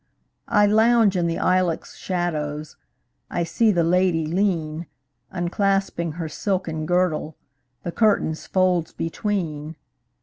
I lounge in the ilex shadows,I see the lady lean, Unclasping her silken girdle, The curtain's folds between.